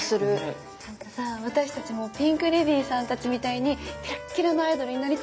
なんかさ私たちもピンク・レディーさんたちみたいにキラッキラのアイドルになりたいよね。